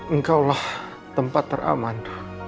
engkau lah tempat teraman